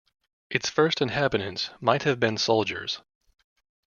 Its first inhabitants might have been soldiers.